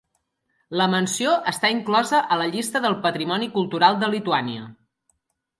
La mansió està inclosa a la llista del patrimoni cultural de Lituània.